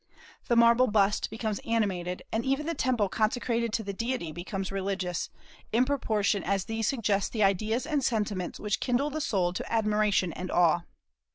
The marble bust becomes animated, and even the temple consecrated to the deity becomes religious, in proportion as these suggest the ideas and sentiments which kindle the soul to admiration and awe.